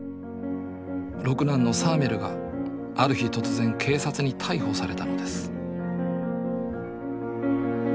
六男のサーメルがある日突然警察に逮捕されたのです